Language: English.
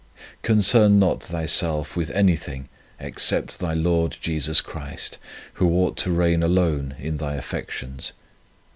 Concern not thyself with any thing except thy Lord Jesus Christ, Who ought to reign alone in thy affections.